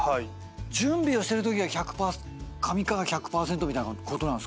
準備をしてるときが上川１００％みたいなことなんすか？